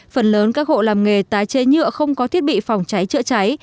phần lớn các hộ làm nghề tái chế nhựa không có thiết bị phòng cháy chữa cháy